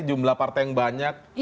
jumlah partai yang banyak